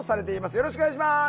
よろしくお願いします。